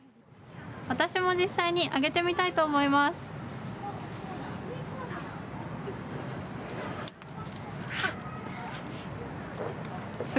私も実際にあげてみたいと思います。